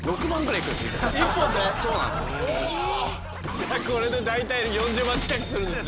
じゃあこれで大体４０万近くするんですね。